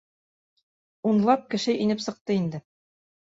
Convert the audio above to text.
Унлап кеше инеп сыҡты инде.